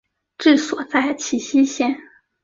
治所在齐熙县。